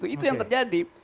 itu yang terjadi